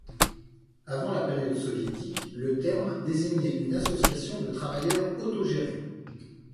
Avant la période soviétique, le terme désignait une association de travailleurs autogérée.